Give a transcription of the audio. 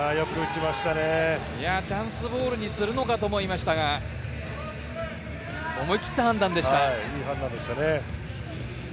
チャンスボールにするのかと思いましたが、いい判断でしたね。